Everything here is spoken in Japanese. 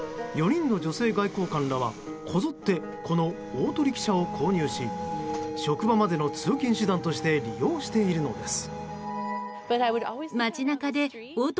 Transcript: ４人の女性外交官らはこぞってこのオートリキシャを購入し職場までの通勤手段として利用しているのです。